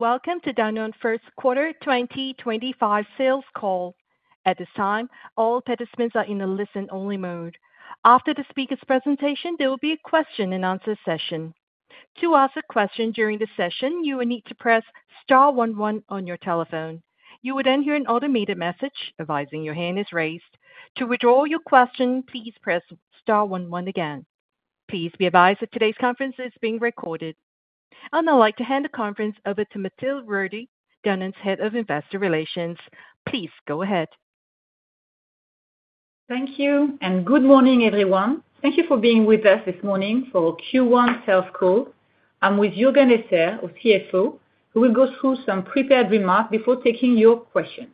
Welcome to Danone First Quarter 2025 Sales Call. At this time all participants are in a listen only mode. After the speaker's presentation there will be a question and answer session. To ask a question during the session you will need to press star one one on your telephone. You will then hear an automated message advising your hand is raised. To withdraw your question, please press star one one again. Please be advised that today's conference is being recorded. I would now like to hand the conference over to Mathilde Rodié, Danone's Head of Investor Relations. Please go ahead. Thank you and good morning everyone. Thank you for being with us this morning. For Q1 sales call, I'm with Juergen Esser, our CFO, who will go through some prepared remarks before taking your questions.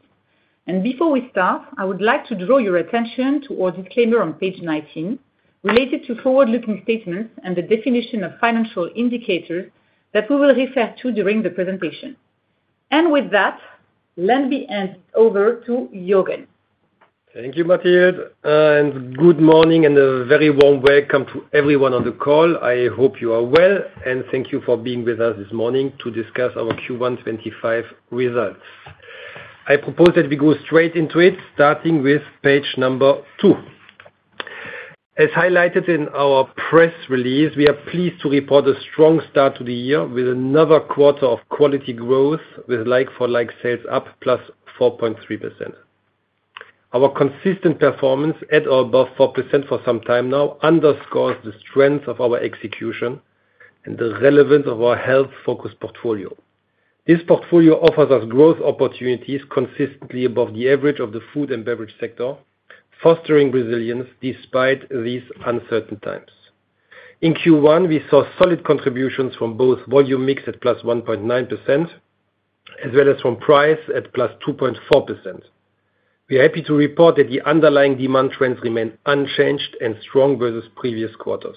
Before we start, I would like to draw your attention to our disclaimer on page 19 related to forward looking statements and the definition of financial indicators that we will refer to during the presentation. With that, let me hand it over to Juergen. Thank you Mathilde and good morning and a very warm welcome to everyone on the call. I hope you are well and thank you for being with us this morning to discuss our Q1 2025 results. I propose that we go straight into it starting with page number two as highlighted in our press release. We are pleased to report a strong start to the year with another quarter of quality growth with like-for-like sales up +4.3%. Our consistent performance at or above 4% for some time now underscores the strength of our execution and the relevance of our health-focused portfolio. This portfolio offers us growth opportunities consistently above the average of the food and beverage sector, fostering resilience despite these uncertain times. In Q1 we saw solid contributions from both volume mix at +1.9% as well as from price at +2.4%. We are happy to report that the underlying demand trends remain unchanged and strong versus previous quarters.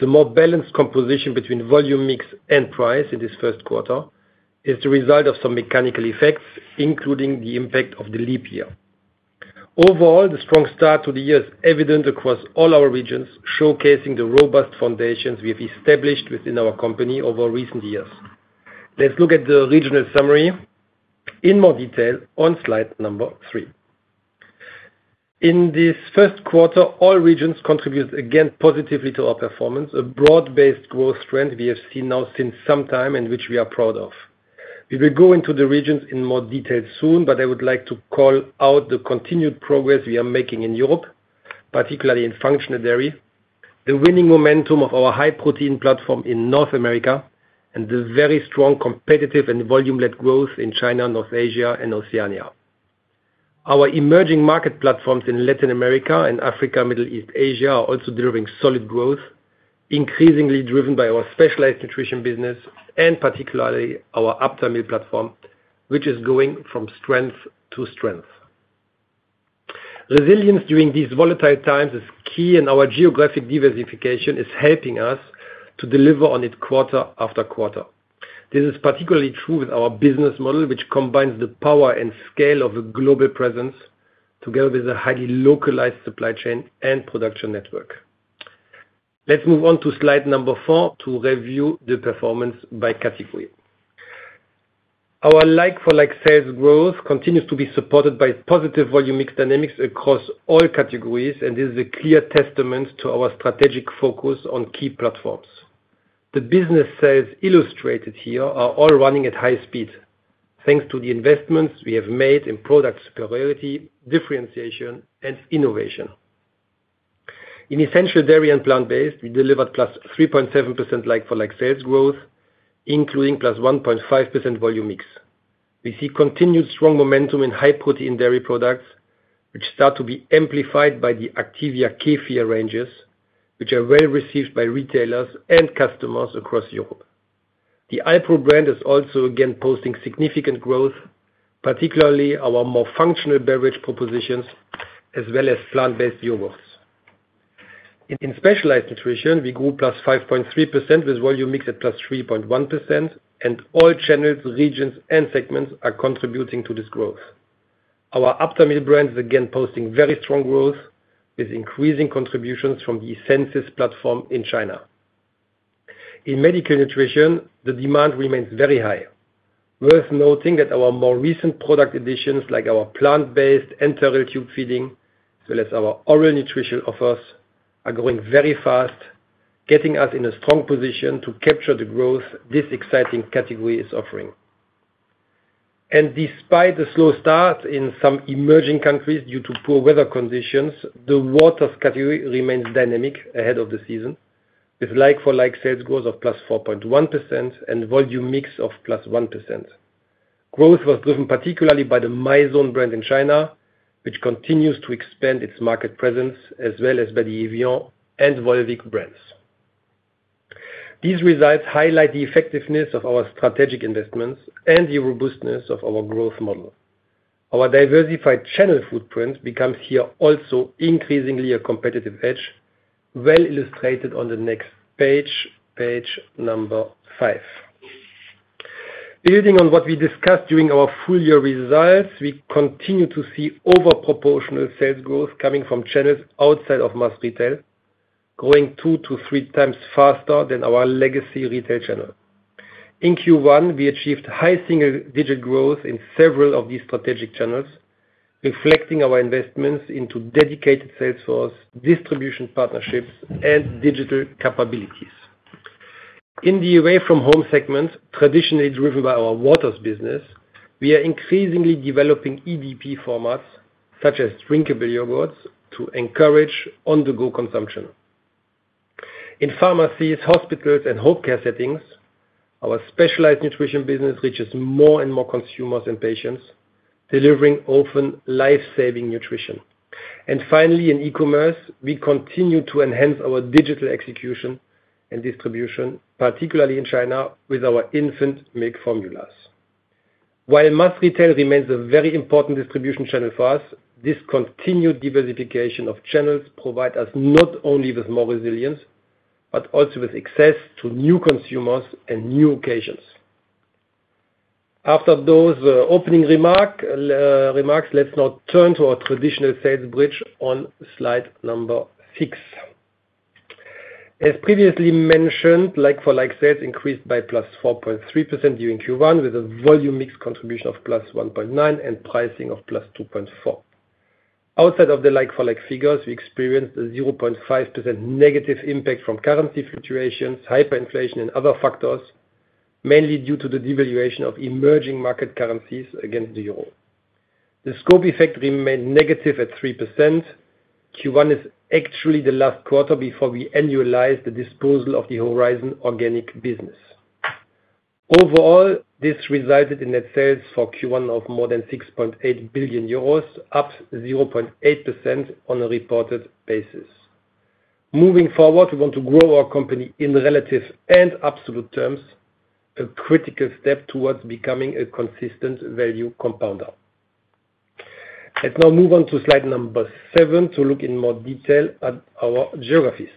The more balanced composition between volume mix and price in this first quarter is the result of some mechanical effects including the impact of the leap year. Overall, the strong start to the year is evident across all our regions, showcasing the robust foundations we have established within our company over recent years. Let's look at the regional summary in more detail on slide number three. In this first quarter all regions contributed again positively to our performance, a broad-based growth trend we have seen now since some time and which we are proud of. We will go into the regions in more detail soon, but I would like to call out the continued progress we are making in Europe, particularly in functional dairy, the winning momentum of our high protein platform in North America, and the very strong competitive and volume-led growth in China, North Asia, and Oceania. Our emerging market platforms in Latin America and Africa, Middle East, Asia are also delivering solid growth, increasingly driven by our Specialized Nutrition business and particularly our Aptamil platform, which is going from strength to strength. Resilience during these volatile times is key, and our geographic diversification is helping us to deliver on it quarter after quarter. This is particularly true with our business model, which combines the power and scale of a global presence together with a highly localized supply chain and production network. Let's move on to slide number four to review the performance by category. Our like-for-like sales growth continues to be supported by positive volume mix dynamics across all categories and is a clear testament to our strategic focus on key platforms. The business sales illustrated here are all running at high speed thanks to the investments we have made in product superiority, differentiation, and innovation. In Essential Dairy and Plant-based, we delivered +3.7% like-for-like sales growth including +1.5% volume mix. We see continued strong momentum in high protein dairy products, which start to be amplified by the Activia kefir ranges, which are well received by retailers and customers across Europe. The HiPRO brand is also again posting significant growth, particularly our more functional beverage propositions as well as plant-based yogurts. In Specialized Nutrition we grew 5.3% with volume mix at 3.1% and all channels, regions and segments are contributing to this growth. Our Aptamil brand is again posting very strong growth with increasing contributions from the Essensis platform in China. In Medical Nutrition the demand remains very high. Worth noting that our more recent product additions like our plant-based enteral tube feeding as our oral nutrition offers are going very fast, getting us in a strong position to capture the growth this exciting category is offering. Despite the slow start in some emerging countries due to poor weather conditions, the Waters category remains dynamic ahead of the season with like-for-like sales growth of +4.1% and volume mix of +1%. Growth was driven particularly by the Mizone brand in China which continues to expand its market presence as well as by the Evian and Volvic brands. These results highlight the effectiveness of our strategic investments and the robustness of our growth model. Our diversified channel footprint becomes here also increasingly a competitive edge, well illustrated on the next page. Page number five. Building on what we discussed during our full year results, we continue to see over-proportional sales growth coming from channels outside of mass retail, growing two to three times faster than our legacy retail channel. In Q1 we achieved high single-digit growth in several of these strategic channels, reflecting our investments into dedicated sales force, distribution partnerships, and digital capabilities. In the away from home segment, traditionally driven by our waters business, we are increasingly developing EDP formats such as drinkable yogurts to encourage on the go consumption in pharmacies, hospitals, and home care settings. Our Specialized Nutrition business reaches more and more consumers and patients, delivering often life-saving nutrition. Finally, in e-commerce, we continue to enhance our digital execution and distribution, particularly in China with our infant milk formulas. While mass retail remains a very important distribution channel for us, this continued diversification of channels provides us not only with more resilience but also with access to new consumers and new occasions. After those opening remarks, let's now turn to our traditional sales bridge on slide number 6. As previously mentioned, like-for-like sales increased by +4.3% during Q1 with a volume mix contribution of +1.9 and pricing of +2.4. Outside of the like-for-like figures, we experienced a 0.5% negative impact from currency fluctuations, hyperinflation, and other factors mainly due to the devaluation of emerging market currencies against the euro. The scope effect remained negative at 3%. Q1 is actually the last quarter before we annualize the disposal of the Horizon Organic business. Overall, this resulted in net sales for Q1 of more than 6.8 billion euros, up 0.8% on a reported basis. Moving forward, we want to grow our company in relative and absolute terms, a critical step towards becoming a consistent value compounder. Let's now move on to slide number seven to look in more detail at our geographies.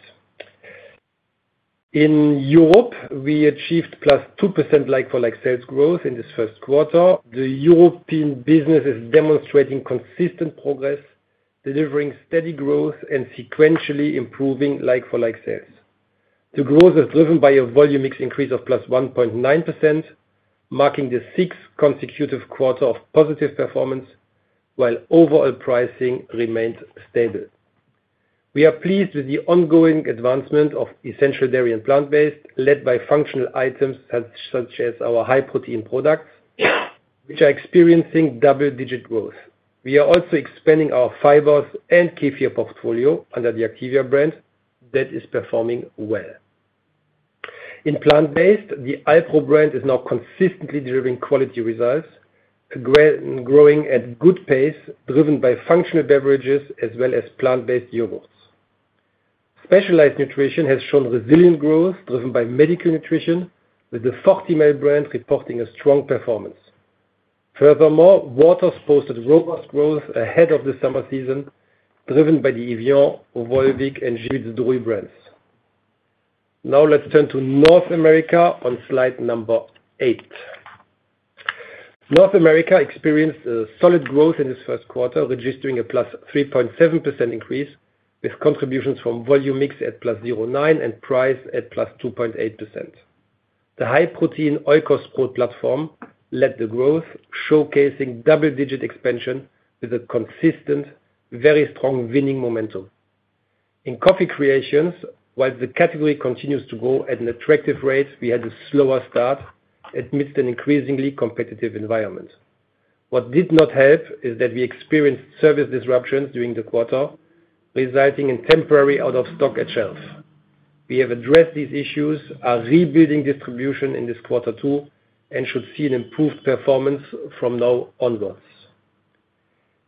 In Europe we achieved +2% like-for-like sales growth in this first quarter. The European business is demonstrating consistent progress, delivering steady growth and sequentially improving like.like-for-like sales. The growth is driven by a volume mix increase of +1.9% marking the sixth consecutive quarter of positive performance while overall pricing remained stable. We are pleased with the ongoing advancement of Essential Dairy and Plant-based led by functional items such as our high protein products which are experiencing double-digit growth. We are also expanding our fibers and kefir portfolio under the Activia brand that is performing well in plant-based. The HiPRO brand is now consistently driving quality results, growing at a good pace driven by functional beverages as well as plant-based yogurts. Specialized Nutrition has shown resilient growth driven by Medical Nutrition with the Fortimel brand reporting a strong performance. Furthermore, Waters posted robust growth ahead of the summer season driven by the Evian and Volvic brands and Żywiec Zdrój brands. Now let's turn to North America. On slide number eight, North America experienced solid growth in its first quarter registering a +3.7% increase with contributions from volume mix at +0.9% and price at plus +2.8%. The high protein Oikos PRO platform led the growth showcasing double-digit expansion with a consistent very strong winning momentum. In Coffee Creations, while the category continues to grow at an attractive rate, we had a slower start amidst an increasingly competitive environment. What did not help is that we experienced service disruptions during the quarter resulting in temporary out of stock at shelf. We have addressed these issues, are rebuilding distribution in this quarter two and should see an improved performance from now onwards.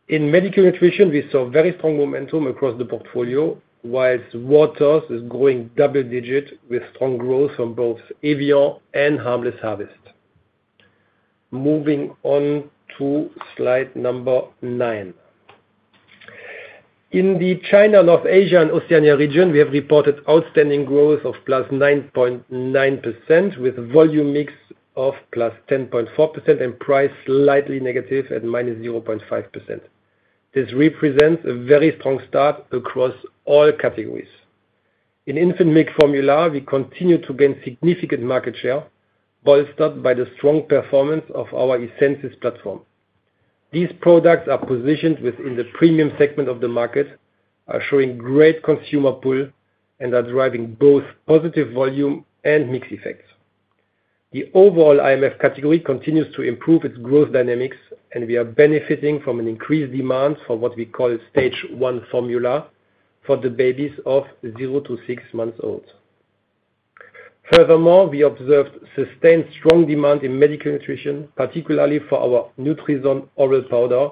In Medical Nutrition we saw very strong momentum across the portfolio while Waters is growing double-digit with strong growth from both Evian and Harmless Harvest. Moving on to slide number nine in the China, North Asia and Oceania region we have reported outstanding growth of +9.9% with volume mix of +10.4% and price slightly negative at -0.5%. This represents a very strong start across all categories. In infant milk formula we continue to gain significant market share bolstered by the strong performance of our Essensis platform. These products are positioned within the premium segment of the market, are showing great consumer pull and are driving both positive volume and mix effects. The overall IMF category continues to improve its growth dynamics and we are benefiting from an increased demand for what we call Stage 1 formula for the babies of zero to six months old. Furthermore, we observed sustained strong demand in Medical Nutrition, particularly for our Nutrison oral powder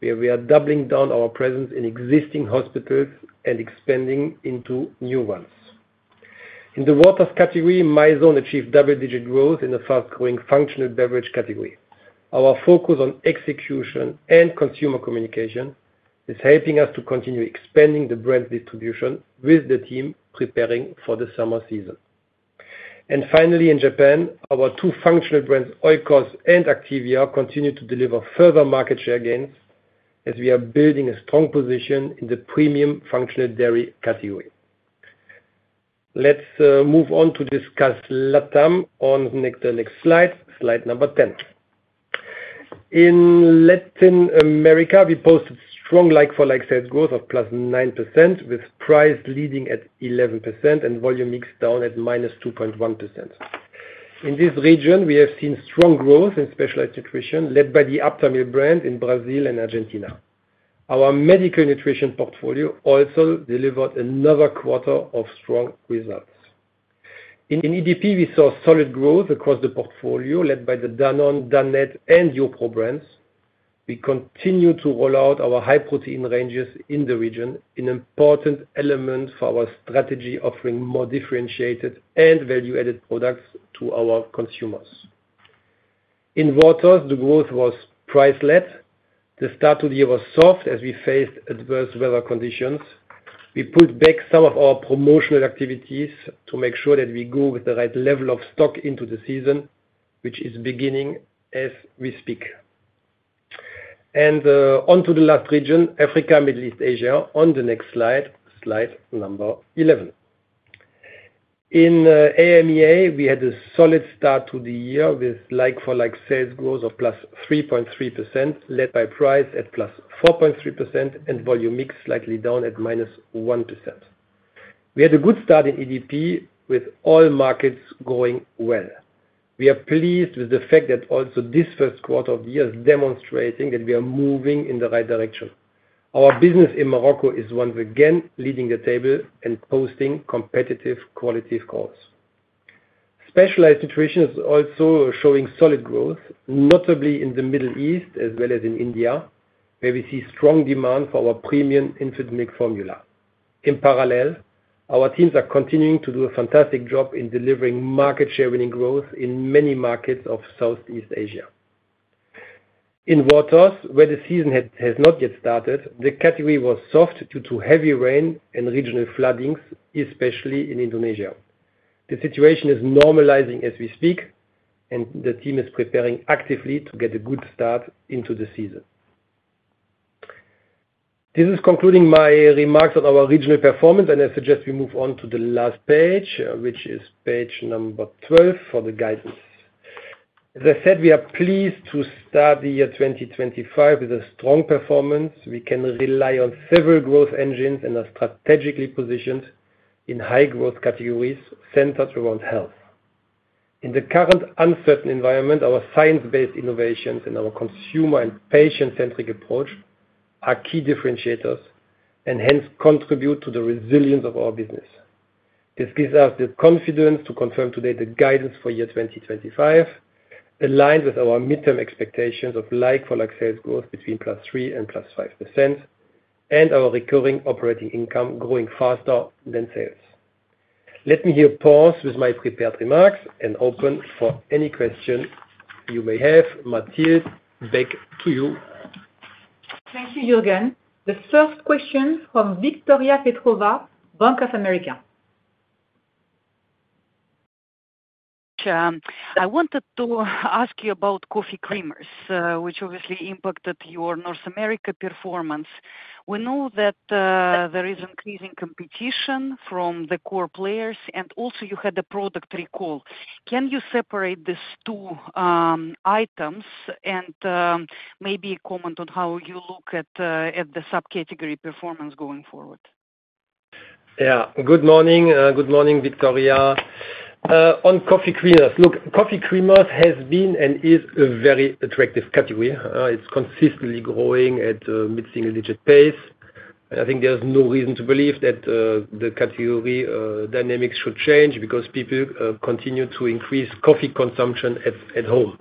where we are doubling down our presence in existing hospitals and expanding into new ones. In the Waters category, Mizone achieved double-digit growth in the fast-growing functional beverage category. Our focus on execution and consumer communication is helping us to continue expanding the brand distribution with the team preparing for the summer season. Finally, in Japan, our two functional brands Oikos and Activia continue to deliver further market share gains as we are building a strong position in the premium functional dairy category. Let's move on to discuss LATAM on the next slide. Slide number 10. In Latin America, we posted strong like-for-like sales growth of +9% with price leading at 11% and volume mix down at -2.1%. In this region we have seen strong growth in Specialized Nutrition led by the Aptamil brand. In Brazil and Argentina, our Medical Nutrition portfolio also delivered another quarter of strong results. In EDP we saw solid growth across the portfolio led by the Danone Danette and YoPRO brands. We continue to roll out our high protein ranges in the region. An important element for our strategy offering more differentiated and value added products to our consumers. In waters the growth was price-led. The start of the year was soft as we faced adverse weather conditions. We put back some of our promotional activities to make sure that we go with the right level of stock into the season which is beginning as we speak, and on to the last region, Africa, Middle East, Asia. On the next slide, slide number 11 in AMEA, we had a solid start to the year with like-for-like sales growth of +3.3% led by price at +4.3% and volume mix slightly down at -1%. We had a good start in EDP with all markets going well. We are pleased with the fact that also this first quarter of the year is demonstrating that we are moving in the right direction. Our business in Morocco is once again leading the table and posting competitive quality. Of course, Specialized Nutrition is also showing solid growth, notably in the Middle East as well as in India where we see strong demand for our premium infant milk formula. In parallel, our teams are continuing to do a fantastic job in delivering market share winning growth in many markets of Southeast Asia. In waters where the season has not yet started, the category was soft due to heavy rain and regional floodings, especially in Indonesia. The situation is normalizing as we speak and the team is preparing actively to get a good start into the season. This is concluding my remarks on our regional performance and I suggest we move on to the last page which is page number 12 for the guidance. As I said, we are pleased to start the year 2025 with a strong performance. We can rely on several growth engines and are strategically positioned in high growth categories centered around health. In the current uncertain environment, our science based innovations and our consumer and patient centric approach are key differentiators and hence contribute to the resilience of our business. This gives us the confidence to confirm today the guidance for year 2025 aligned with our midterm expectations of like-for-like sales growth between 3% and 5% and our recurring operating income growing faster than sales. Let me here pause with my prepared remarks and open for any question you may have. Mathilde, back to. Thank you Juergen. The first question from Victoria Petrova, Bank of America. I wanted to ask you about coffee creamers which obviously impacted your North America performance. We know that there is increasing competition from the core players and also you had the product recall. Can you separate these two items and maybe comment on how you look at the subcategory performance going forward. Yeah. Good morning. Good morning Victoria. On coffee creamers. Look, coffee creamers has been and is a very attractive category. It's consistently growing at mid single digit pace. I think there's no reason to believe that the category dynamics should change because people continue to increase coffee consumption at home.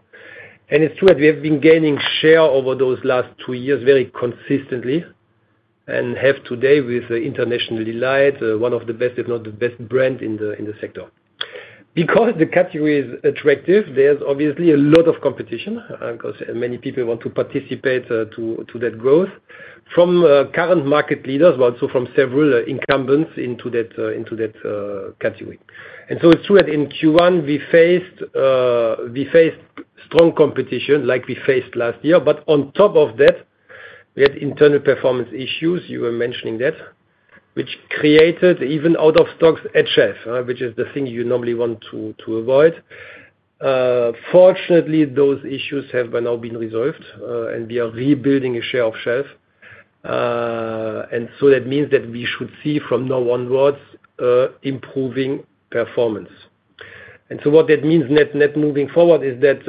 It's true that we have been gaining share over those last two years very consistently and have today with International Delight, one of the best, if not the best brand in the sector. Because the category is attractive, there's obviously a lot of competition because many people want to participate to that growth from current market leaders, but also from several incumbents into that category. It's true that in Q1 we faced strong competition like we faced last year. On top of that we had internal performance issues. You were mentioning that which created even out of stocks, which is the thing you normally want to avoid. Fortunately, those issues have now been resolved and we are rebuilding a share of shelf. That means that we should see from now onwards improving performance. What that means net net moving forward is that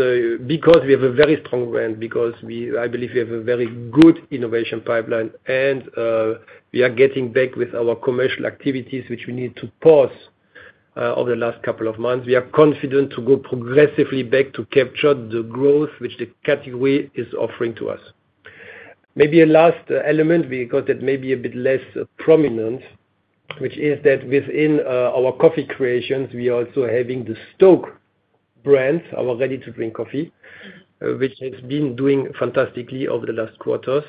because we have a very strong brand, because we, I believe, we have a very good innovation pipeline and we are getting back with our commercial activities, which we needed to pause over the last couple of months, we are confident to go progressively back to capture the growth which the category is offering to us. Maybe a last element because it may be a bit less prominent, which is that within our Coffee Creations we also have the SToK brand, our ready to drink coffee, which has been doing fantastically over the last quarters.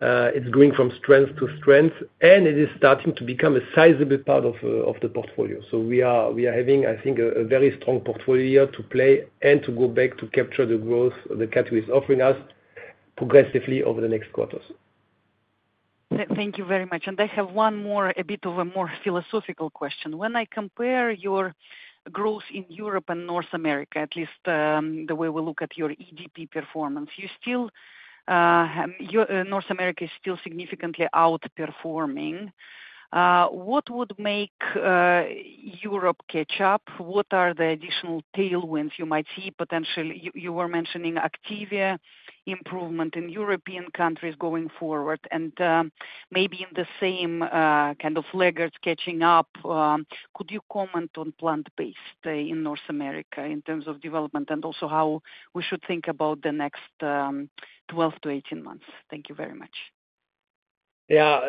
It is going from strength to strength and it is starting to become a sizable part of the portfolio. We are having, I think, a very strong portfolio to play and to go back to capture the growth the category is offering us progressively over the next quarters. Thank you very much. I have one more, a bit of a more philosophical question. When I compare your growth in Europe and North America, at least the way we look at your EDP performance, North America is still significantly outperforming. What would make Europe catch up? What are the additional tailwinds you might see? Potentially, you were mentioning an improvement in European countries going forward and maybe in the same kind of laggards catching up. Could you comment on plant based in North America in terms of development and also how we should think about the next 12 to 18 months? Thank you very much. Yeah,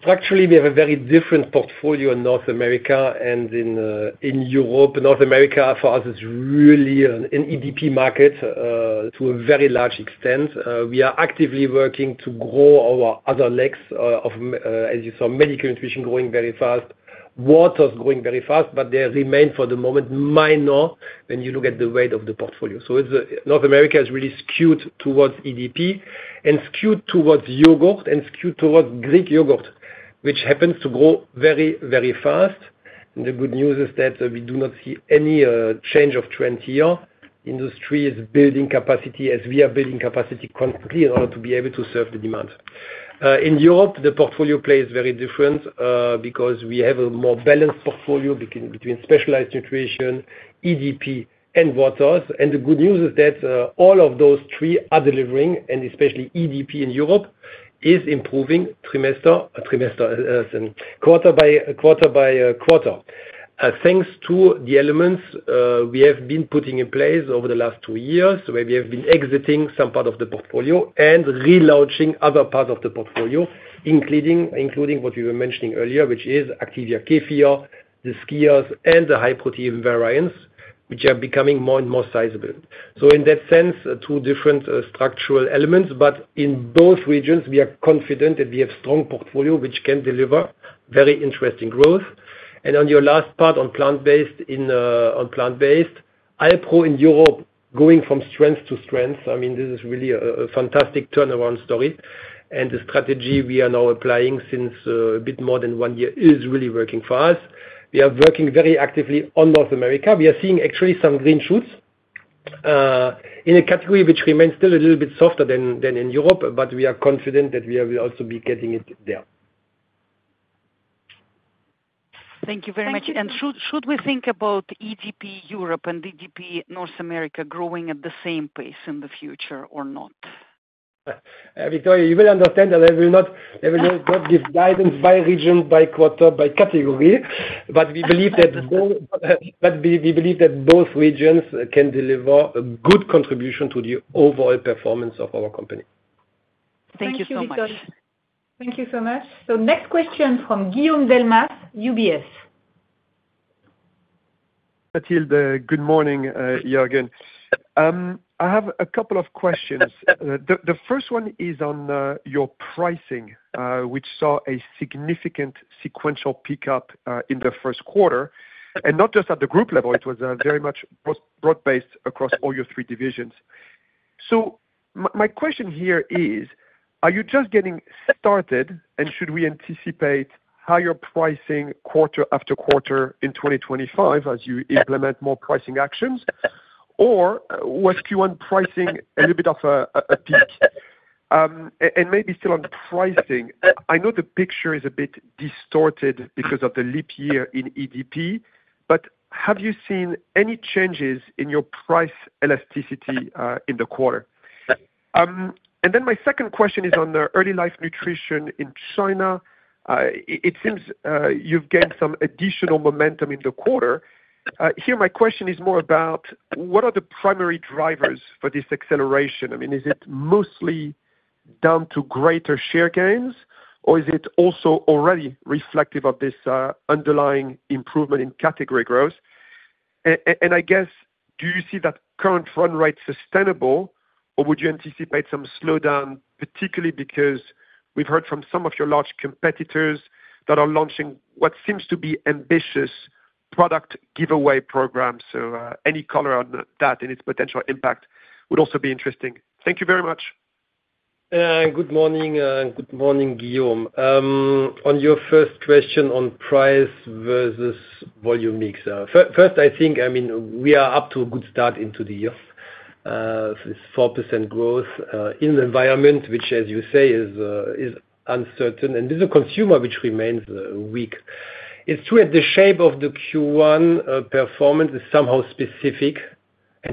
structurally we have a very different portfolio in North America and in Europe. North America for us is really an EDP market to a very large extent. We actively working to grow our other legs, as you saw, Medical Nutrition going very fast, waters going very fast, but they remain, for the moment, minor when you look at the weight of the portfolio. North America is really skewed towards EDP and skewed towards yogurt and skewed towards Greek yogurt, which happens to grow very, very fast. The good news is that we do not see any change of trend here. Industry is building capacity as we are building capacity constantly in order to be able to serve the demand in Europe. The portfolio plays very different because we have a more balanced portfolio between Specialized Nutrition, EDP and waters. The good news is that all of those three are delivering and especially EDP in Europe is improving quarter by quarter, thanks to the elements we have been putting in place over the last two years, where we have been exiting some part of the portfolio and relaunching other parts of the portfolio, including what we were mentioning earlier, which is Activia kefir, the Skyrs and the high-protein variants which are becoming more and more sizable. In that sense, two different structural elements. In both regions we are confident that we have strong portfolio which can deliver very interesting growth. On your last part, on plant based in Europe, going from strength to strength, I mean, this is really a fantastic turnaround story. The strategy we are now applying since a bit more than one year is really working for us. We are working very actively on North America. We are seeing actually some green shoots in a category which remains still a little bit softer than in Europe. We are confident that we will also be getting it. Thank you very much. Should we think about EDP Europe and EDP North America growing at the same pace in the future or not? Victoria, you will understand that they will not give guidance by region, by quarter, by category, but we believe that both regions can deliver a good contribution to the overall performance of our. Thank you so much. Thank you so much. Next question from Guillaume Delmas UBS. Mathilde, good morning, Juergen. I have a couple of questions. The first one is on your pricing, which saw a significant sequential pickup in the first quarter and not just at the group level. It was very much broad based across all your three divisions. My question here is, are you just getting started and should we anticipate higher pricing quarter after quarter in 2025 as you implement more pricing actions or was Q1 pricing a little bit of a peak and maybe still on pricing? I know the picture is a bit distorted because of the leap year in EDP, but have you seen any changes in your price elasticity in the quarter? My second question is on early life nutrition in China. It seems you've gained some additional momentum in the quarter. Here my question is more about what are the primary drivers for this acceleration? Is it mostly down to greater share gains or is it also already reflective of this underlying improvement in category growth? I guess do you see that current run rate sustainable or would you anticipate some slowdown? Particularly because we've heard from some of your large competitors that are launching what seems to be ambitious product giveaway programs. Any color on that and its potential impact would also be interesting. Thank you very much. Good morning. Good morning, Guillaume. On your first question on price versus volume mix, first, I think, I mean we are up to a good start into the year, 4% growth in an environment which as you say, is uncertain and is a consumer which remains weak. It's true that the shape of the Q1 performance is somehow specific.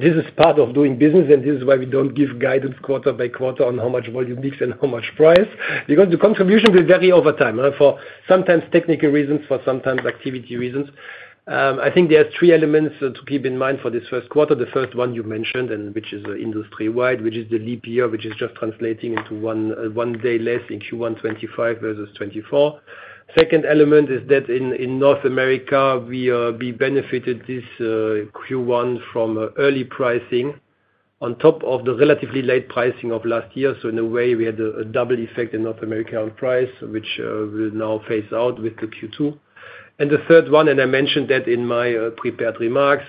This is part of doing business. This is why we do not give guidance quarter by quarter on how much volume mix and how much price because the contribution will vary over time for sometimes technical reasons, for sometimes activity reasons. I think there are three elements to keep in mind for this first quarter. The first one you mentioned and which is industry wide, which is the leap year, which is just translating into one day less in Q1 2025 versus 2024. The second element is that in North America we benefited this Q1 from early pricing on top of the relatively late pricing of last year. In a way we had a double effect in North America on price, which will now phase out with the Q2 and the third one, and I mentioned that in my prepared remarks,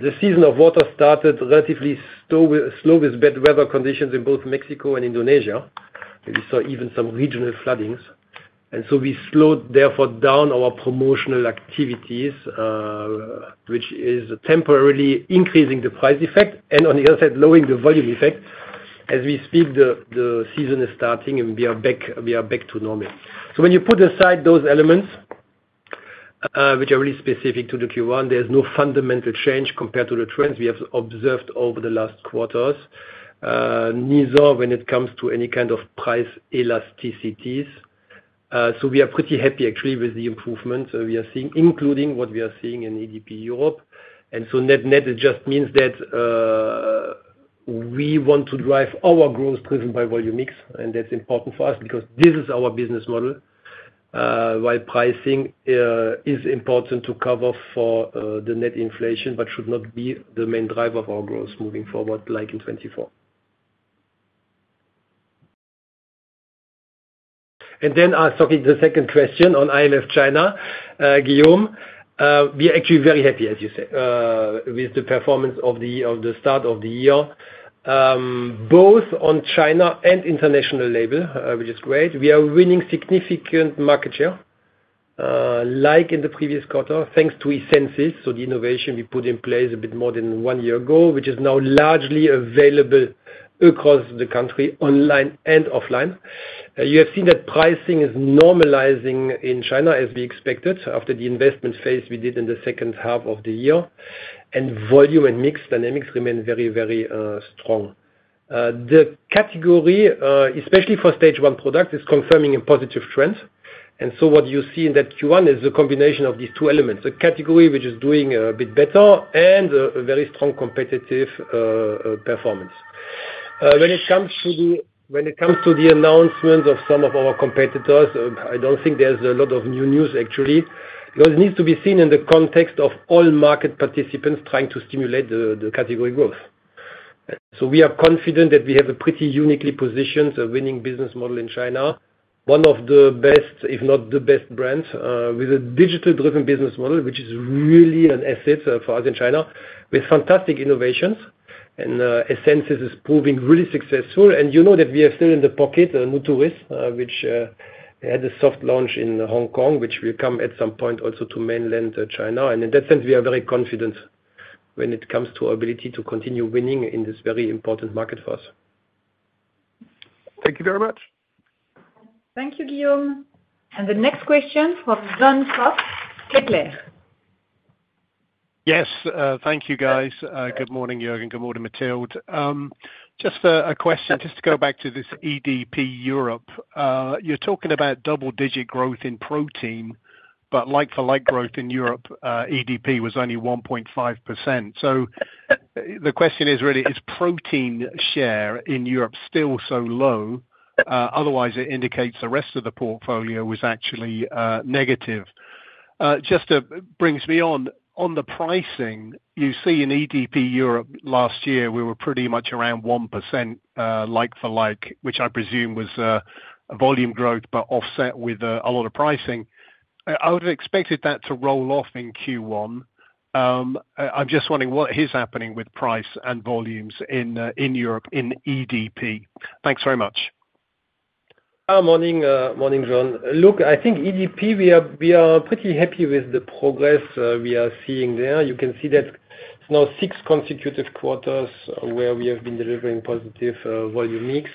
the season of water started relatively slow with bad weather conditions in both Mexico and Indonesia. We saw even some regional floodings. We slowed therefore down our promotional activities, which is temporarily increasing the price effect and on the other side, lowering the volume effect. As we speak, the season is starting and we are back to normal. When you put aside those elements which are really specific to the Q1, there is no fundamental change compared to the trends we have observed over the last quarters, neither when it comes to any kind of price elasticities. We are pretty happy actually with the improvements we are seeing, including what we are seeing in EDP Europe. Net, net it just means that we want to drive our growth driven by volume mix. That is important for us because this is our business model. While pricing is important to cover for the net inflation, it should not be the main driver of our growth moving forward like in 2024. The second question on IMF China, Guillaume, we are actually very happy, as you said, with the performance of the start of the year, both on China and international label, which is great. We are winning significant market share like in the previous quarter thanks to Essensis. The innovation we put in place a bit more than one year ago, which is now largely available across the country online and offline, you have seen that pricing is normalizing in China, as we expected after the investment phase we did in the second half of the year. Volume and mix dynamics remain very, very strong. The category, especially for Stage 1 product, is confirming a positive trend. What you see in that Q1 is a combination of these two elements. A category which is doing a bit better and a very strong competitive performance. When it comes to the announcements of some of our competitors, I do not think there is a lot of new news actually. It needs to be seen in the context of all market participants trying to stimulate the category growth. We are confident that we have a pretty uniquely positioned winning business model in China. One of the best, if not the best brands with a digital-driven business model, which is really an asset for us in China with fantastic innovations and Essensis is proving really successful. You know that we are still in the pocket. Nuturis, which had a soft launch in Hong Kong, will come at some point also to mainland China. In that sense, we are very confident when it comes to our ability to continue winning in this very important market for us. Thank you very much. Thank you, Guillaume. The next question from Jon Cox, Kepler. Yes, thank you guys. Good morning, Jurgen. Good morning, Mathilde. Just a question, just to go back to this. EDP Europe, you're talking about double digit growth in protein, but like-for-like growth in Europe, EDP was only 1.5%. So the question is really is protein share in Europe still so low? Otherwise it indicates the rest of the portfolio was actually negative. Just brings me on, on the pricing you see in EDP Europe. Last year we were pretty much around 1% like-for-like, which I presume was volume growth, but offset with a lot of pricing. I would have expected that to roll off in Q1. I'm just wondering what is happening with price and volumes in Europe in EDP. Thanks very much. Morning Jon. Look, I think EDP, we are pretty happy with the progress we are seeing there. You can see that it's now six consecutive quarters where we have been delivering positive volume mix.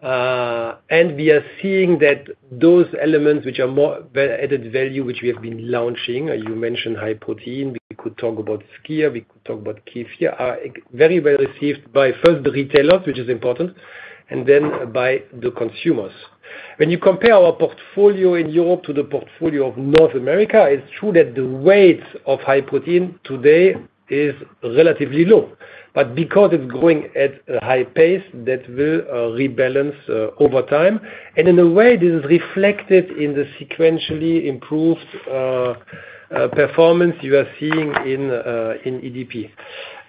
We are seeing that those elements which are more added value, which we have been launching—you mentioned High Protein. We could talk about Skyr, we talked about Kefir—are very well received by first the retailers, which is important, and then by the consumers. Compare our portfolio in Europe to the portfolio of North America. It's true that the weight of high protein today is relatively low, but because it's growing at a high pace, that will rebalance over time. In a way, this is reflected in the sequentially improved performance you are seeing in EDP.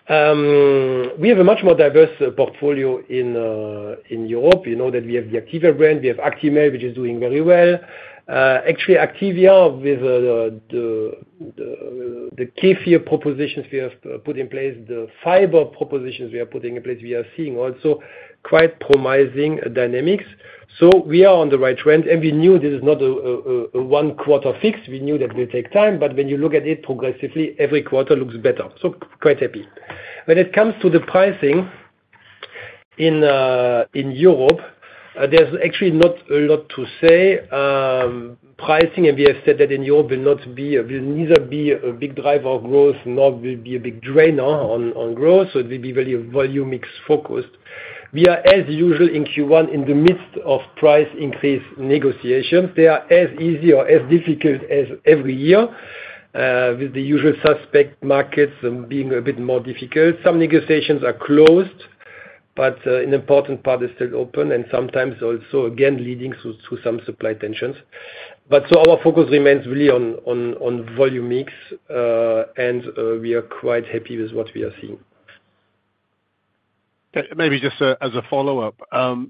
We have a much more diverse portfolio in Europe. You know that we have the Activia brand, we have Actimel, which is doing very well actually. Activia with the Kefir propositions we have put in place, the fiber propositions we are putting in place, we are seeing also quite promising dynamics. We are on the right trend. We knew this is not a one-quarter fix. We knew that will take time. When you look at it progressively, every quarter looks better. Quite happy. When it comes to the pricing in Europe, there is actually not a lot to say. Pricing, and we have said that in Europe, will not be, will neither be a big driver of growth nor will be a big drainer on growth. It will be very volume mix focused. We are as usual in Q1 in the midst of price increase negotiations. They are as easy or as difficult as every year with the usual suspect markets being a bit more difficult. Some negotiations are closed, but an important part is still open and sometimes also again leading to some supply tensions. Our focus remains really on volume mix and we are quite happy with what we are seeing. Maybe just as a follow up.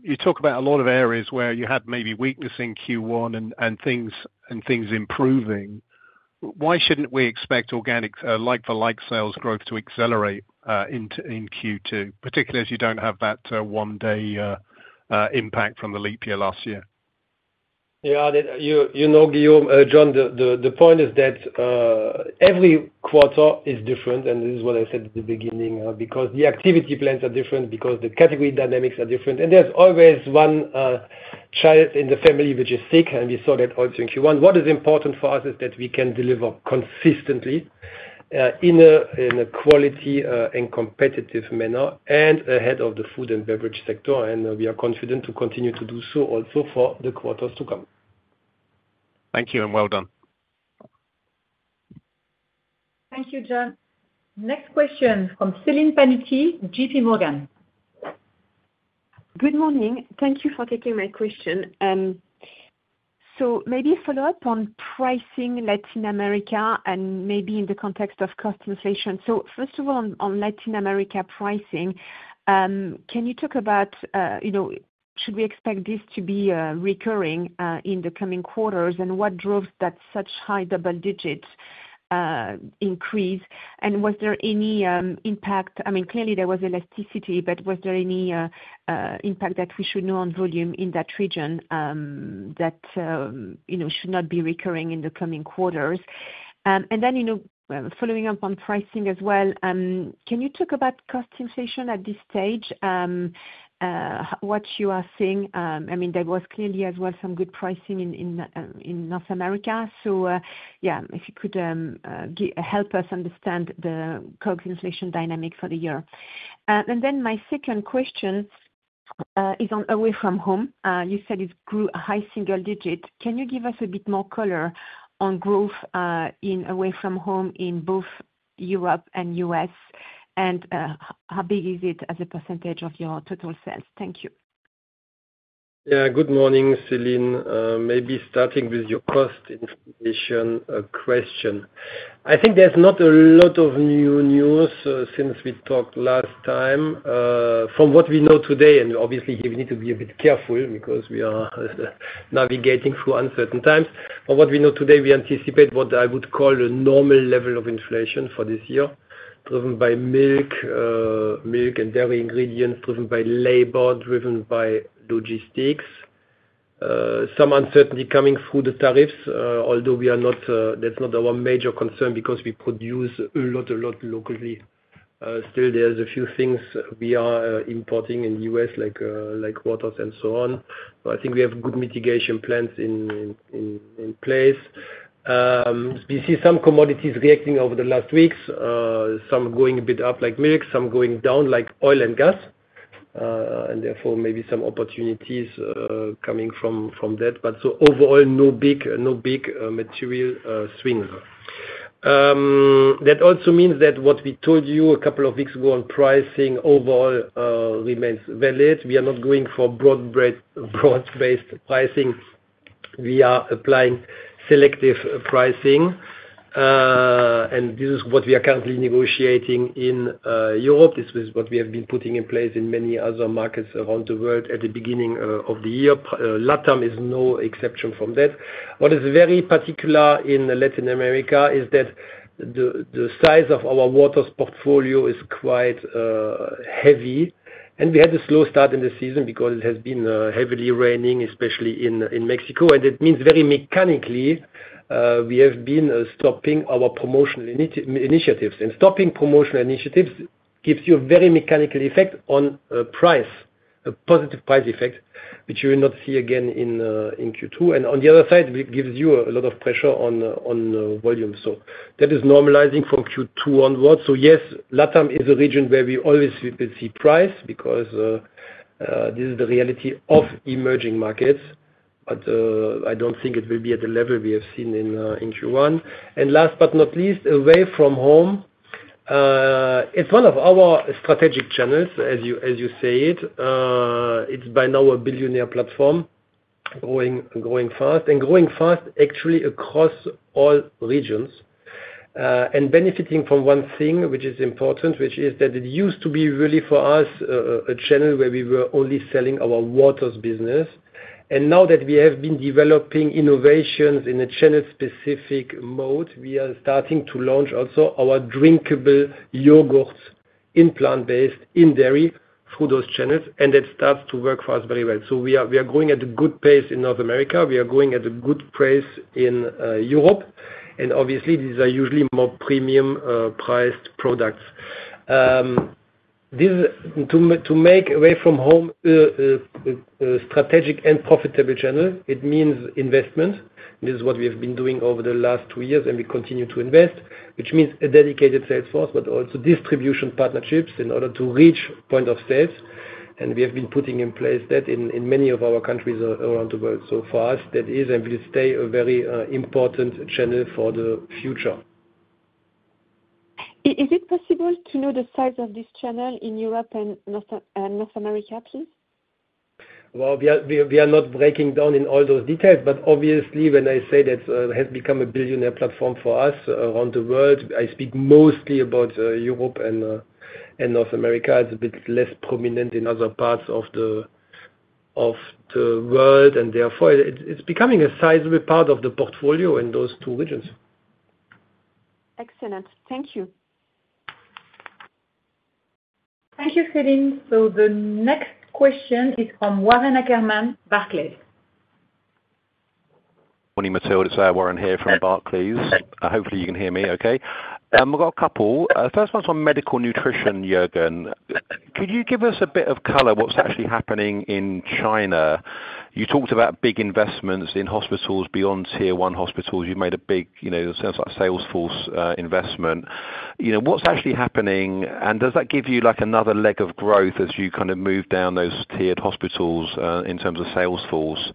You talk about a lot of areas where you have maybe weakness in Q1 and things improving. Why shouldn't we expect organic like-for-like sales growth to accelerate in Q2? Particularly as you do not have that one day impact from the leap year last year. Yeah, you know Guillaume, Jon, the point is that every quarter is different and this is what I said at the beginning because the activity plans are different, because the category dynamics are different and there's always one child in the family which is sick and we saw that also in Q1. What is important for us is that we can deliver consistently in a quality and competitive manner and ahead of the food and beverage sector and we are confident to continue to do so also for the quarters to come. Thank you and well done. Thank you. Jon, next question from Céline Pannuti, JPMorgan. Good morning. Thank you for taking my question. Maybe follow up on pricing Latin America and maybe in the context of cost inflation. First of all on Latin America pricing, can you talk about should we expect this to be recurring in the coming quarters and what drove that such high double digit increase and was there any impact? I mean clearly there was elasticity, but was there any impact that we should know on volume in that region that should not be recurring in the coming quarters? Following up on pricing as well, can you talk about cost inflation at this stage? What you are seeing, I mean there was clearly as well some good pricing in North America. If you could help us understand the COGS inflation dynamic for the year. My second question is on away from home. You said it grew high single digit. Can you give us a bit more color on growth in away from home in both Europe and U.S., and how big is it as a percentage of your total sales? Thank you. Yeah, good morning Céline. Maybe starting with your cost information question, I think there's not a lot of new news since we talked last time. From what we know today and obviously here we need to be a bit careful because we are navigating through uncertain times. What we know today, we anticipate what I would call a normal level of inflation for this year driven by milk, milk and dairy ingredients, driven by labor, driven by logistics, some uncertainty coming through the tariffs, although we are not, that's not our major concern because we produce a lot, a lot local. Still there's a few things we are importing in U.S. like Waters and so on. I think we have good mitigation plans in place. We see some commodities reacting over the last weeks, some going a bit up like milk, some going down like oil and gas and therefore maybe some opportunities coming from that. Overall, no big material swing. That also means that what we told you a couple of weeks ago on pricing overall remains valid. We are not going for broad based pricing. We are applying selective pricing and this is what we are currently negotiating in Europe. This is what we have been putting in place in many other markets around the world at the beginning of the year. LATAM is no exception from that. What is very particular in Latin America is that the size of our Waters portfolio is quite heavy and we had a slow start in the season because it has been heavily raining, especially in Mexico. It means very mechanically we have been stopping our promotional initiatives and stopping promotional initiatives gives you a very mechanical effect on price. A positive price effect which you will not see again in Q2. On the other side it gives you a lot of pressure on volume. That is normalizing from Q2 onwards. Yes, LATAM is a region where we always see price because this is the reality of emerging markets. I do not think it will be at the level we have seen in Q1. Last but not least, away from home, it's one of our strategic channels, as you say it by now, a billionaire platform growing fast and growing fast actually across all regions and benefiting from one thing which is important, which is that it used to be really for us a channel where we were only selling our waters business. Now that we have been developing innovations in a channel specific mode, we are starting to launch also our drinkable yogurt in plant based in dairy through those channels and it starts to work for us very well. We are going at a good pace in North America, we are going at a good price in Europe and obviously these are usually more premium priced products to make away from home strategic and profitable channel. It means investment. This is what we have been doing over the last two years and we continue to invest, which means a dedicated sales force but also distribution partnerships in order to reach point of sales. We have been putting in place that in many of our countries around the world. For us that is and will stay a very important channel for the future. Is it possible to know the size of this channel in Europe and North America please? We are not breaking down in all those details, but obviously when I say that has become a billionaire platform for us around the world, I speak mostly about Europe and North America. It is a bit less prominent in other parts of the world, and therefore it is becoming a sizeable part of the portfolio in those two regions. Excellent, thank you. Thank you, Céline. The next question is from Warren Ackerman, Barclays. Morning Mathilde. It's Warren here from Barclays. Hopefully you can hear me. Okay, we've got a couple first ones on Medical Nutrition. Jurgen, could you give us a bit of color what's actually happening in China? You talked about big investments in hospitals beyond tier one hospitals. You made a big salesforce investment. What's actually happening and does that give you another leg of growth as you move down those tiered hospitals in terms of salesforce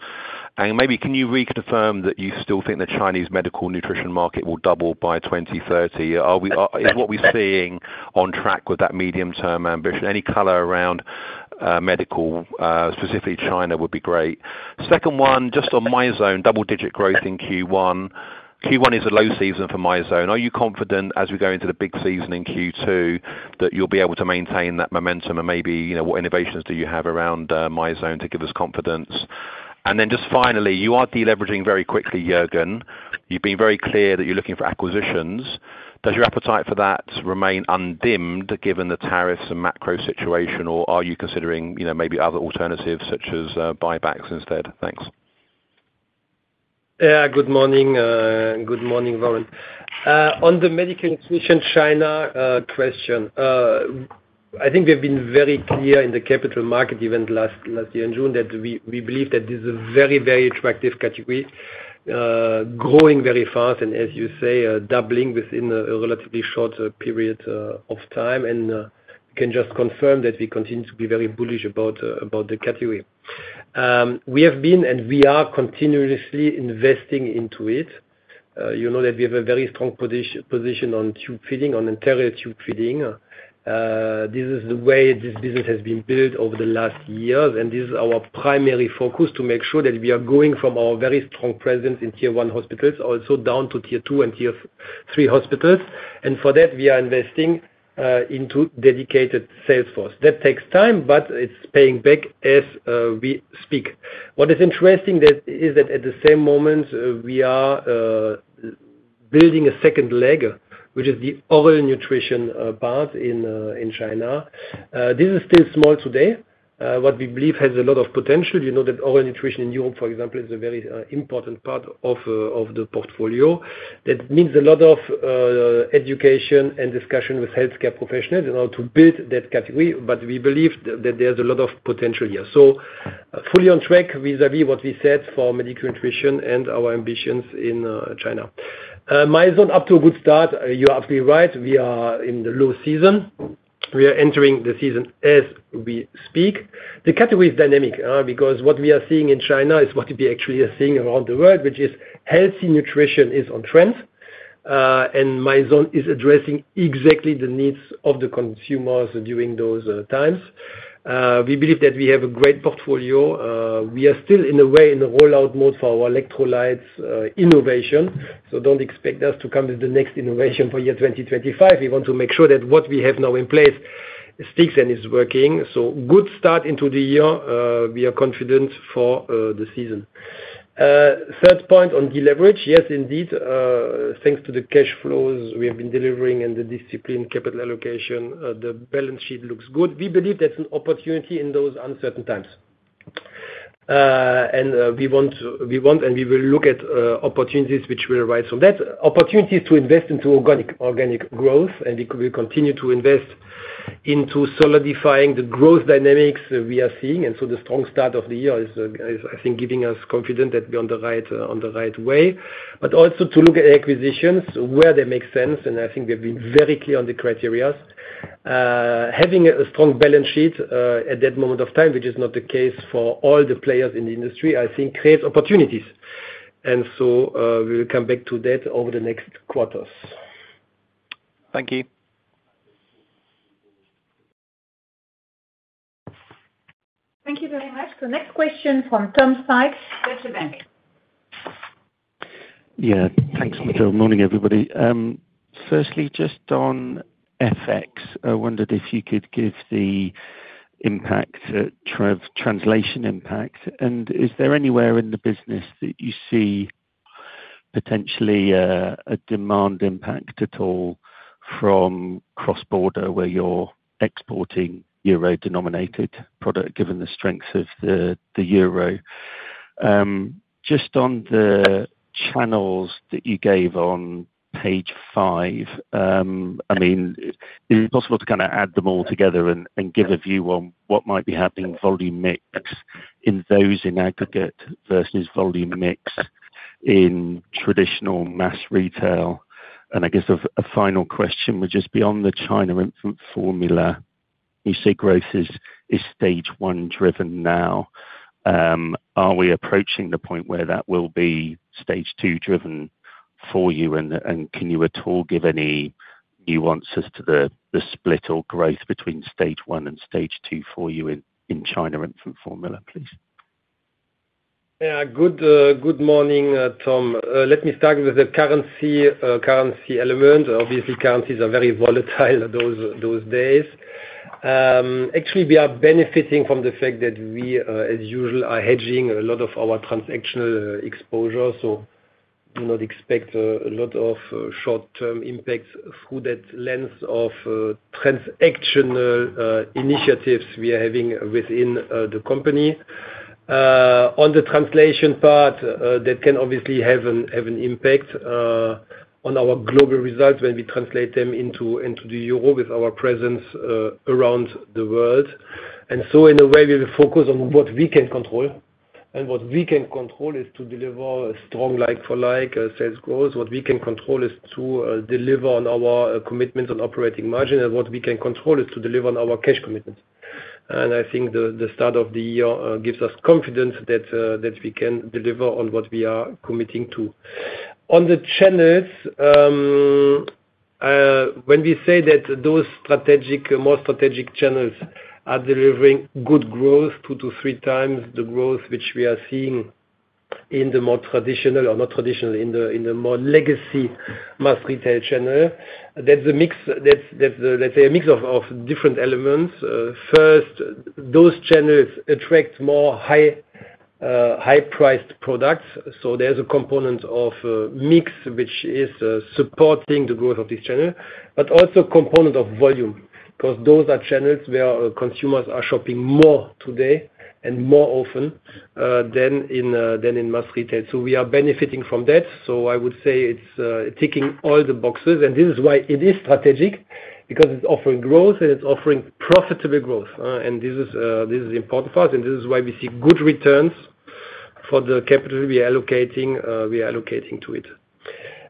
and maybe can you reconfirm that you still think the Chinese Medical Nutrition market will double by 2030? Is what we're seeing on track with that medium term ambition? Any color around medical, specifically China, would be great. Second one just on Mizone. Double-digit growth in Q1. Q1 is a low season for Mizone. Are you confident as we go into the big season in Q2 that you'll be able to maintain that momentum and maybe what innovations do you have around Mizone to give us confidence? Just finally, you are deleveraging very quickly. Juergen, you've been very clear that you're looking for acquisitions. Does your appetite for that remain undimmed given the tariffs and macro situation? Are you considering maybe other alternatives such as buybacks instead? Thanks. Good morning. Good morning, Warren. On the Medical Nutrition China question, I think we've been very clear in the capital market event last year in June that we believe that this is a very, very attract category, growing very fast and as you say, doubling within a relatively short period of time and can just confirm that we continue to be very bullish about the category. We have been and we are continuously investing into it. You know that we have a very strong position on tube feeding, on enteral tube feeding. This is the way this business has been built over the last years and this is our primary focus to make sure that we are going from our very strong presence in tier one hospitals also down to tier two and tier three hospitals. For that we are investing into dedicated salesforce. That takes time, but it's paying back as we speak. What is interesting is that at the same moment we are building a second leg which is the oral nutrition part in China. This is still small today. What we believe has a lot of potential. You know that oral nutrition in Europe, for example, is a very important part of the portfolio. That means a lot of education and discussion with health care professionals in order to build that category. We believe that there's a lot of potential here, so fully on track vis-à-vis what we said for Medical Nutrition and our ambitions in China. Mizone up to a good start. You are right. We are in the low season. We are entering the season as we speak. The category is dynamic because what we are seeing in China is what we actually are seeing around the world, which is healthy nutrition is on trend and Mizone is addressing exactly the needs of the consumers during those times. We believe that we have a great portfolio. We are still in a way in the rollout mode for our electrolytes innovation. Do not expect us to come with the next innovation for year 2025. We want to make sure that what we have now in place sticks and is working, so good start into the year. We are confident for the season. Third point on deleverage. Yes, indeed. Thanks to the cash flows we have been delivering and the disciplined capital allocation, the balance sheet looks good. We believe that is an opportunity in those uncertain times. We want, and we will look at opportunities which will arise from that. Opportunities to invest into organic growth and we continue to invest into solidifying the growth dynamics we are seeing. The strong start of the year is, I think, giving us confidence that we're on the right way, but also to look at acquisitions where they make sense. I think we've been very clear on the criteria. Having a strong balance sheet at that moment of time, which is not the case for all the players in the industry, I think creates opportunities. We will come back to that over the next quarters. Thank you. Thank you very much. The next question from Tom Sykes, Deutsche Bank. Yes, thanks Mathilde. Morning everybody. Firstly, just on FX, I wondered if you could give the impact, translation impact and is there anywhere in the business that you see potentially a demand impact at all from cross border where you're exporting euro denominated product given the strength of the euro. Just on the channels that you gave on page five, I mean is it possible to kind of add them all together and give a view on what might be happening? Volume mix in those in aggregate versus volume mix in traditional mass retail. I guess a final question would just be on the China infant formula. You say growth is Stage 1 driven. Now are we approaching the point where that will be stage two driven for you? Can you at all give any nuances to the split or growth between Stage 1 and stage two for you in China infant formula, please? Good morning Tom. Let me start with the currency element. Obviously currencies are very volatile. Actually we are benefiting from the fact that we as usual are hedging a lot of our transactional exposure. Do not expect a lot of short term impacts through that lens of transactional initiatives we are having within the company. On the translation part, that can obviously have an impact on our global results when we translate them into the euro with our presence around the world. In a way, we will focus on what we can control. What we can control is to deliver strong like-for-like sales growth. What we can control is to deliver on our commitments on operating margin, and what we can control is to deliver on our cash commitments. I think the start of the year gives us confidence that we can deliver on what we are committing to on the channels. When we say that those strategic, more strategic channels are delivering good growth, two to three times the growth which we are seeing in the more traditional or, not traditional, in the more legacy mass retail channel. That is a mix, that is, let's say, a mix of different elements. First, those channels attract more high-priced products. So there is a component of mix which is supporting the growth of this channel, but also a component of volume because those are channels where consumers are shopping more today and more often than in mass retail. We are benefiting from that. I would say it is ticking all the boxes and this is why it is strategic because it is offering growth and it is offering profitable growth. This is important for us and this is why we see good returns for the capital we are allocating. We are allocating to it.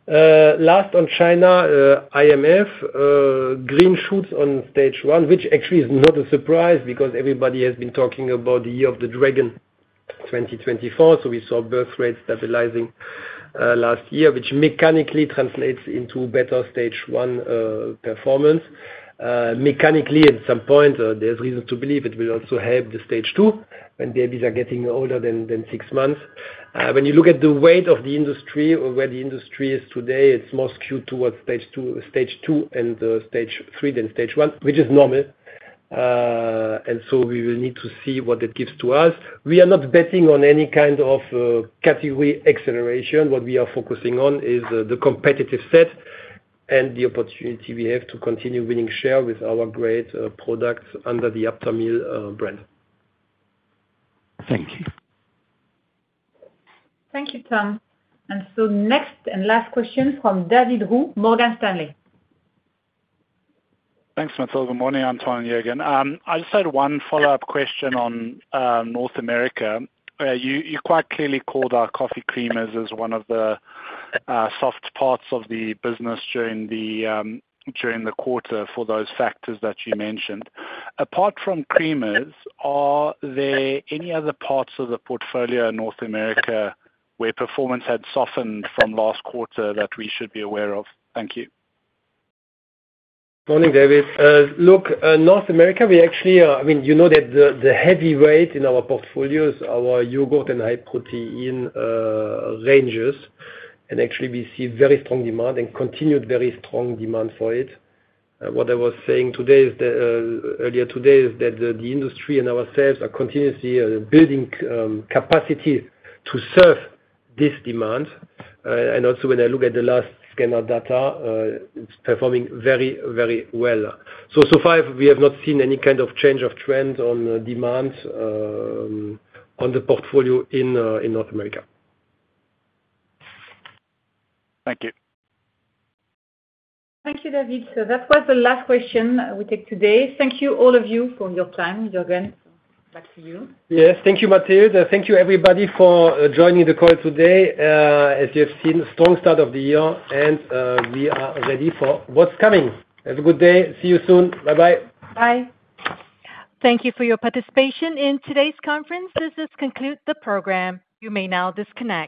Last on China, IMF green shoots on Stage 1 which actually is not a surprise because everybody has been talking about the year of the dragon 2024. We saw birth rates stabilizing last year which mechanically translates into better Stage 1 performance. Mechanically at some point there is reason to believe it will also help the Stage 2 when babies are getting older than six months. When you look at the weight of the industry or where the industry is today, it is more skewed towards Stage 2 and Stage 3 than Stage 1 which is normal. We will need to see what that gives to us. We are not betting on any kind of category acceleration. What we are focusing on is the competitive set and the opportunity we have to continue winning share with our great products under the Aptamil Brand. Thank you. Thank you, Tom. Next and last question from David Roux, Morgan Stanley. Thanks Mathilde. Morning Juergen. I just had one follow up question on North America. You quite clearly called out coffee creamers as one of the soft parts of the business during the, during the quarter. For those factors that you mentioned. Apart from creamers, are there any other parts of the portfolio in North America where performance had softened from last quarter that we should be aware of? Thank you. Morning David. Look, North America, we actually, I mean, you know that the heavyweight in our portfolios, our yogurt and high protein ranges, and actually we see very strong demand and continued very strong demand for it. What I was saying earlier today is that the industry and ourselves are continuously building capacity to serve this demand, and also when I look at the last scanner data, it's performing very, very well. So far we have not seen any kind of change of trend on demand on the portfolio in North America. Thank you. Thank you, David. That was the last question we take today. Thank you all of you for your time. Jurgen, back to you. Yes, thank you, Mathilde. Thank you everybody for joining the call today. As you have seen, strong start of the year and we are ready for what's coming. Have a good day. See you soon. Bye bye. Bye. Thank you for your participation in today's conference. This does conclude the program. You may now disconnect.